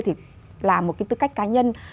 thì là một cái tư cách cá nhân